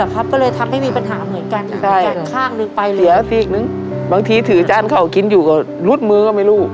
ก็มีเรียบเมื่อ